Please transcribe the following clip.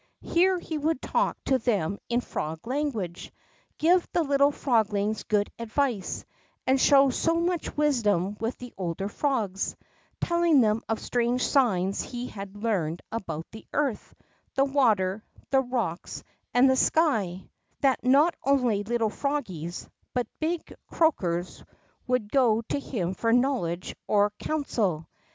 Here he would talk to them in frog language, give the little froglings good advice, and show so much wisdom with the older frogs, telling them of strange signs he had learned about the earth, the water, the rocks, and the sky, that not only little froggies, but big croakers would go to him for knowledge or coun sel.